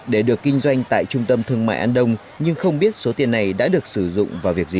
để được kinh doanh tại trung tâm thương mại an đông nhưng không biết số tiền này đã được sử dụng vào việc gì